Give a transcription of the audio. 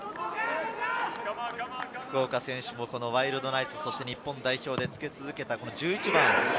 福岡選手もワイルドナイツ、そして日本代表で着け続けた１１番。